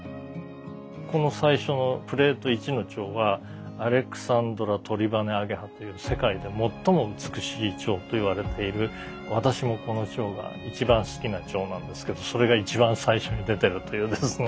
この最初のプレート１のチョウはアレクサンドラトリバネアゲハっていう世界で最も美しいチョウといわれている私もこのチョウが一番好きなチョウなんですけどそれが一番最初に出てるというですね。